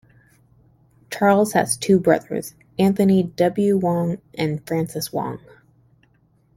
Charles has two brothers, Anthony W. Wang and Francis Wang.